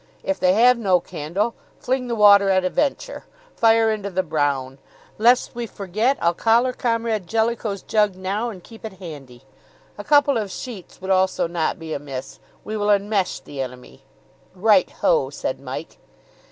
If they have no candle, fling the water at a venture fire into the brown! Lest we forget, I'll collar Comrade Jellicoe's jug now and keep it handy. A couple of sheets would also not be amiss we will enmesh the enemy!" "Right ho!" said Mike.